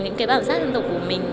những bản sắc dân tộc của mình